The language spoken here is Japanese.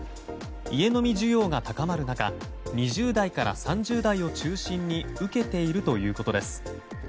家飲み需要が高まる中２０代から３０代を中心に受けているということです。